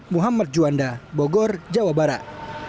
muhammad juanda bogor jawa barat